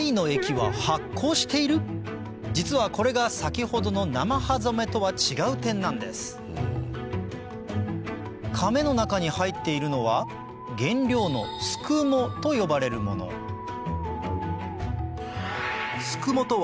実はこれが先ほどの生葉染めとは違う点なんですかめの中に入っているのは原料のすくもと呼ばれるものアイの産地